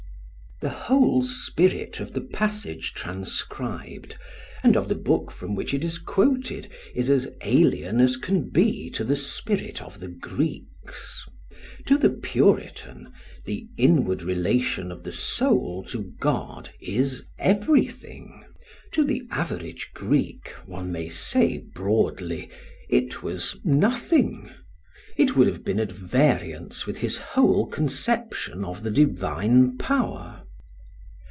'" The whole spirit of the passage transcribed, and of the book from which it is quoted, is as alien as can be to the spirit of the Greeks. To the Puritan, the inward relation of the soul to God is everything; to the average Greek, one may say broadly, it was nothing; it would have been at variance with his whole conception of the divine power.